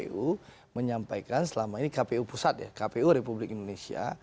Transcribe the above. kpu menyampaikan selama ini kpu pusat ya kpu republik indonesia